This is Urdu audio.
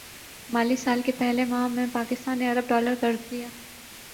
مالی سال کے پہلے ماہ میں پاکستان نے ارب ڈالر قرض لیا